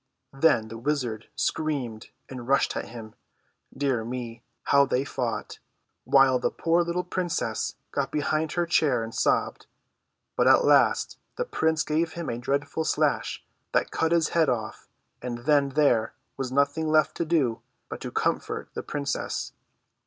Then the wizard screamed, and rushed at him. Dear me, how they fought ! while the poor little princess got behind her chair and sobbed. But at last the prince gave him a dreadful slash that cut his head off, and then there was nothing left to do but to com fort the princess.